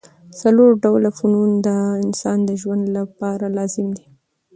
څلور ډوله فنون د انسان د ژوند له پاره لازم دي.